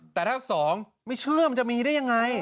แต่ถ้าสองไม่เชื่อมันจะมีได้ยังไง